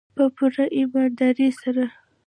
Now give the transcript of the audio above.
په پوره ایمانداري سره.